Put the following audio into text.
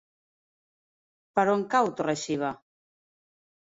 Per on cau Torre-xiva?